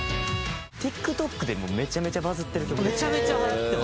ＴｉｋＴｏｋでもめちゃめちゃバズってる曲ですね。